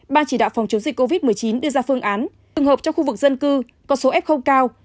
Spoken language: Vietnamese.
ban chỉ đạo phòng chống dịch covid một mươi chín đưa ra phương án từng hợp trong khu vực dân cư có số f cao